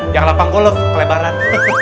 yang lapang golev kelebaran